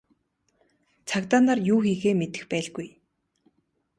Цагдаа нар юу хийхээ мэдэх байлгүй.